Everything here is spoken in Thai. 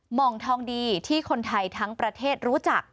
หมองทองดีที่คนไทยทั้งประเทศรู้จัก